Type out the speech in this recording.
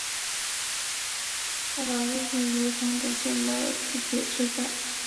末广町停留场本线的铁路车站。